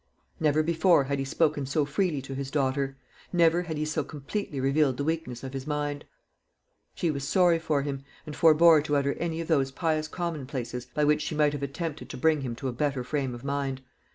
Never before had he spoken so freely to his daughter; never had he so completely revealed the weakness of his mind. She was sorry for him, and forbore to utter any of those pious commonplaces by which she might have attempted to bring him to a better frame of mind.